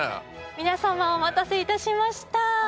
皆様お待たせいたしました。